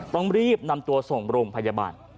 ต้องรีบนำตัวส่งโรงพยาบาล